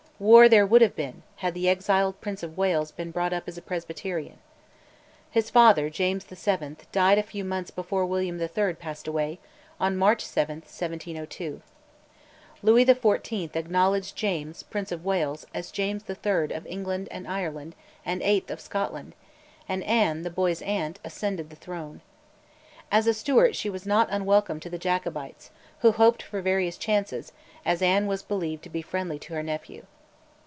War there would have been had the exiled Prince of Wales been brought up as a Presbyterian. His father James VII. died a few months before William III. passed away on March 7, 1702. Louis XIV. acknowledged James, Prince of Wales, as James III. of England and Ireland and VIII, of Scotland; and Anne, the boy's aunt, ascended the throne. As a Stuart she was not unwelcome to the Jacobites, who hoped for various chances, as Anne was believed to be friendly to her nephew.